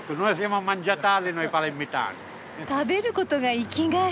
食べることが生きがい。